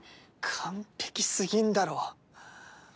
完璧すぎんだろ